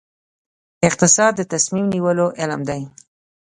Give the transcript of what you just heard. اقتصاد د تصمیم نیولو علم دی